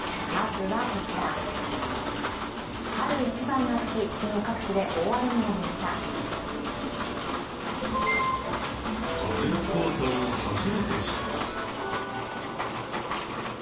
春一番が吹き、昨日、各地で大荒れになりました。